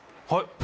はい。